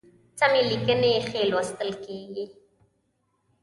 سمي لیکنی ښی لوستل کیږي